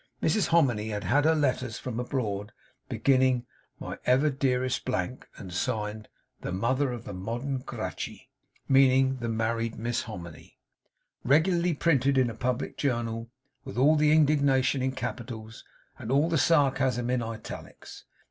Mrs Hominy had had her letters from abroad, beginning 'My ever dearest blank,' and signed 'The Mother of the Modern Gracchi' (meaning the married Miss Hominy), regularly printed in a public journal, with all the indignation in capitals, and all the sarcasm in italics.